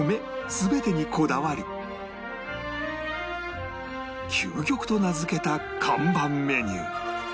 全てにこだわり「究極」と名付けた看板メニュー